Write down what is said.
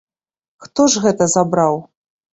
Хто ж гэта забраў?